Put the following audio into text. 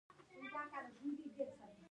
تنوع د افغانستان د اقلیم ځانګړتیا ده.